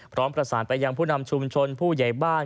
พร้อมประสานไปยังผู้นำชุมชนผู้ใหญ่บ้าน